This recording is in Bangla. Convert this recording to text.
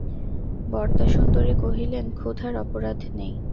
বরদাসুন্দরী কহিলেন, ক্ষুধার অপরাধ নেই।